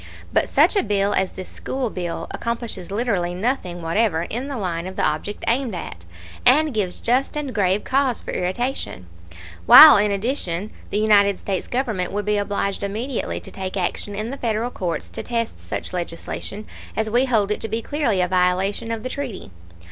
But such a bill as this school bill accomplishes literally nothing whatever in the line of the object aimed at, and gives just and grave cause for irritation; while in addition the United States Government would be obliged immediately to take action in the Federal courts to test such legislation, as we hold it to be clearly a violation of the treaty.